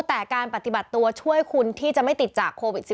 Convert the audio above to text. แต่การปฏิบัติตัวช่วยคุณที่จะไม่ติดจากโควิด๑๙